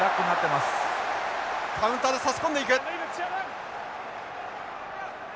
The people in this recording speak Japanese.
カウンターで差し込んでいく！